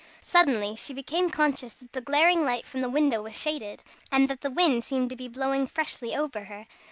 Suddenly she became conscious that the glaring light from the window was shaded, and that the wind seemed to be blowing freshly over her.